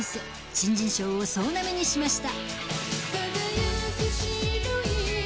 新人賞を総なめにしました。